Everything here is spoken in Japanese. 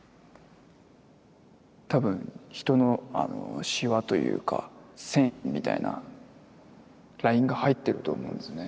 多分人のシワというか線みたいなラインが入ってると思うんですね